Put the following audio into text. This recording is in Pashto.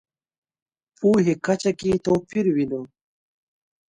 پوهې کچه کې توپیر وینو.